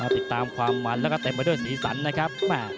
ติดตามความมันแล้วก็เต็มไปด้วยสีสันนะครับ